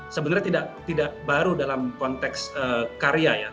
sebenarnya tidak baru dalam konteks karya ya